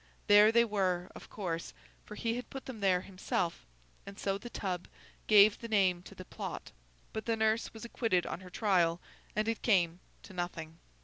There they were, of course—for he had put them there himself—and so the tub gave the name to the plot. But, the nurse was acquitted on her trial, and it came to nothing.